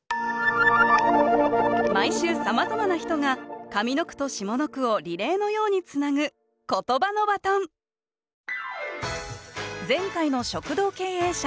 毎週さまざまな人が上の句と下の句をリレーのようにつなぐ前回の食堂経営者